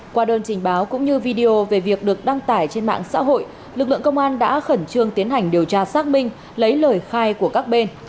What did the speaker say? qua đơn trình báo cũng như video về việc được đăng tải trên mạng xã hội lực lượng công an đã khẩn trương tiến hành điều tra xác minh lấy lời khai của các bên